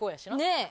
ねえ。